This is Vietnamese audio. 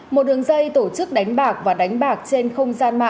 một đường dây tổ chức đánh bạc và đánh bạc trên không gian mạng